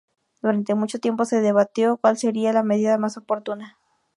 Durante mucho tiempo se debatió cuál sería la medida más oportuna.